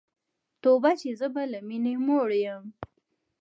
توبه چي زه به له میني موړ یم